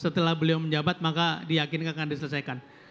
setelah beliau menjabat maka diyakinkan akan diselesaikan